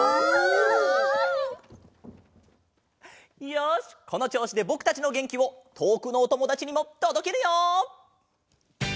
よしこのちょうしでぼくたちのげんきをとおくのおともだちにもとどけるよ！